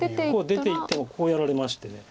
出ていってもこうやられまして。